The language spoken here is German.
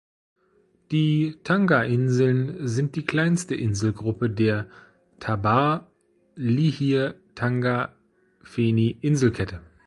Die Tanga-Inseln sind die kleinste Inselgruppe der "Tabar-Lihir-Tanga-Feni-Inselkette".